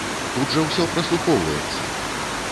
Тут жа ўсё праслухоўваецца!